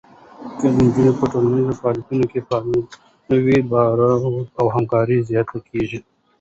که نجونې په ټولنیزو فعالیتونو کې فعاله وي، باور او همکاري زیاته کېږي.